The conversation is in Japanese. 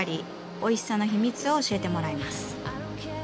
おいしさの秘密を教えてもらいます。